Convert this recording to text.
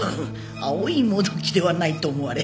葵もどきではないと思われ。